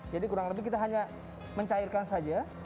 jadi kurang lebih kita hanya mencairkan saja